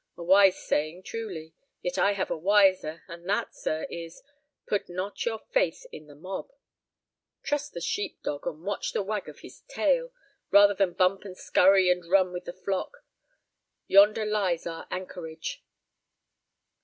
A wise saying, truly; yet I have a wiser, and that, sir, is, 'Put not your faith in the mob.' Trust the sheep dog, and watch the wag of his tail, rather than bump and scurry and run with the flock. Yonder lies our anchorage."